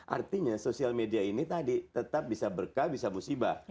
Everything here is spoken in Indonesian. artinya sosial media ini tadi tetap bisa berkah bisa musibah